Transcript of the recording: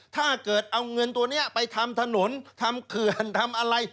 ถ้าเกิดเอาเงินตัวนี้ไปทำถนนทำเขื่อนทำอะไร